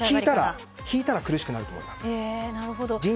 引いたら苦しくなると思います。